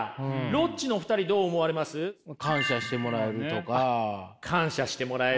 ロッチの２人どう思われます？感謝してもらえるとか。感謝してもらえる。